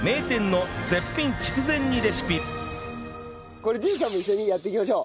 これＪＵＪＵさんも一緒にやっていきましょう。